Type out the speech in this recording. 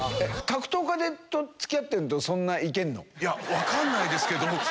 分かんないですけれども。